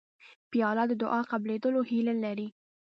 پیاله د دعا قبولېدو هیله لري